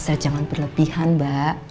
asal jangan berlebihan mbak